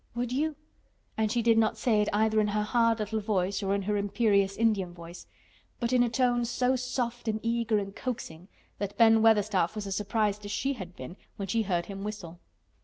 "Would you?" And she did not say it either in her hard little voice or in her imperious Indian voice, but in a tone so soft and eager and coaxing that Ben Weatherstaff was as surprised as she had been when she heard him whistle.